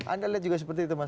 anda lihat juga seperti itu mas